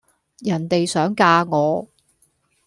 人地想嫁我